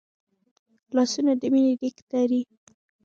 لاسونه د مینې لیک لري